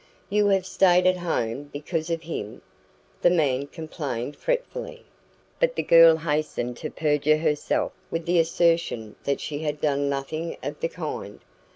"You have stayed at home because of him!" the man complained fretfully. But the girl hastened to perjure herself with the assertion that she had done nothing of the kind.